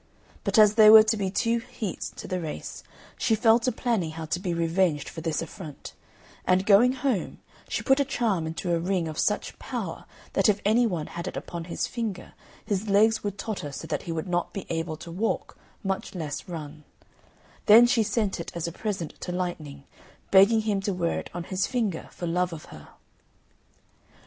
But as there were to be two heats to the race, she fell to planning how to be revenged for this affront; and going home, she put a charm into a ring of such power that if any one had it upon his finger his legs would totter so that he would not be able to walk, much less run; then she sent it as a present to Lightning, begging him to wear it on his finger for love of her.